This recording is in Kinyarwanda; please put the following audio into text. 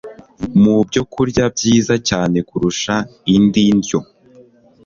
mu byokurya byiza cyane kurusha indi ndyo